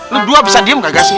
lu dua bisa diem kagak sih